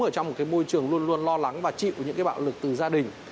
ở trong một cái môi trường luôn luôn lo lắng và chịu những cái bạo lực từ gia đình